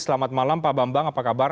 selamat malam pak bambang apa kabar